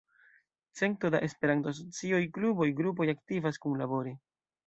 Cento da Esperanto-asocioj, kluboj, grupoj aktivas kunlabore.